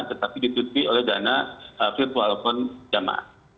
tetapi ditutupi oleh dana virtual phone jemaah